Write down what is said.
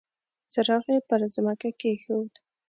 څراغ يې پر ځمکه کېښود.